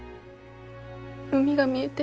海が見えて。